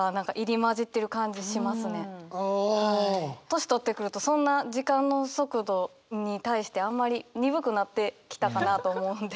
年取ってくるとそんな時間の速度に対してあんまり鈍くなってきたかなと思うので。